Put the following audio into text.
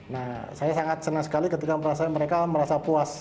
nah saya sangat senang sekali ketika mereka merasa puas